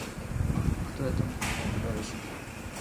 پښتو ادب مو بډایه شي.